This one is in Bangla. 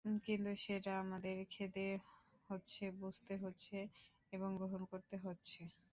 কিন্তু সেটা আমাদের খেতে হচ্ছে, বুঝতে হচ্ছে এবং গ্রহণ করতে হচ্ছে।